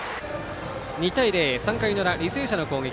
２対０、３回の裏履正社の攻撃。